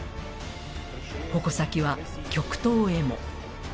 矛先は極東へも。